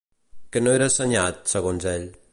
Què no era assenyat, segons ell?